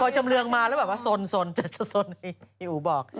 บริชมเรืองมาแล้วแบบว่าสนจะสนพี่อู๋บอก